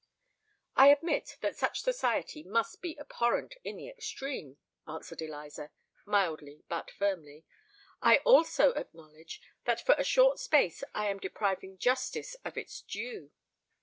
"I admit that such society must be abhorrent in the extreme," answered Eliza, mildly but firmly: "I also acknowledge that for a short space I am depriving justice of its due.